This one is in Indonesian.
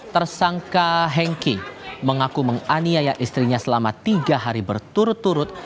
tersangka hengki mengaku menganiaya istrinya selama tiga hari berturut turut